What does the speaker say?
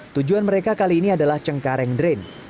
tujuan mereka kali ini adalah cengkareng drain